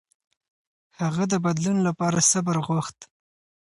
هغه د بدلون لپاره صبر غوښت.